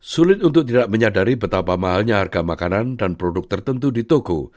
sulit untuk tidak menyadari betapa mahalnya harga makanan dan produk tertentu di toko